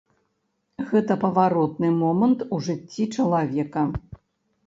Гэта паваротны момант у жыцці чалавека.